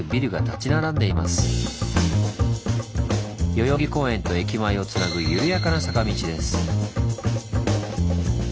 代々木公園と駅前をつなぐゆるやかな坂道です。